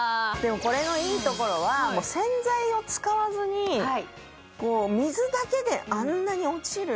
これのいいところは洗剤を使わずに水だけであんなに落ちる？